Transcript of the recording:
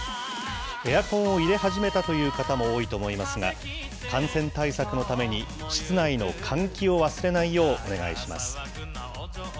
エアコンを入れ始めたという方も多いと思いますが、感染対策のために、室内の換気を忘れないよう、お願いします。